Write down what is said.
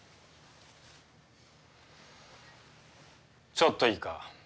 ちょっといいか？